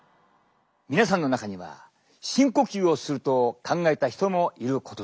皆さんの中には深呼吸をすると考えた人もいることだろう。